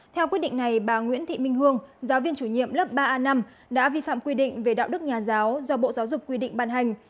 theo quyết định này bà nguyễn thị minh hương giáo viên chủ nhiệm lớp ba a năm đã vi phạm quy định về đạo đức nhà giáo do bộ giáo dục quy định bàn hành